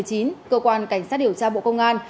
cơ quan cảnh sát điều tra bộ công an